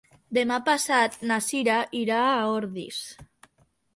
Demà passat na Cira irà a Ordis.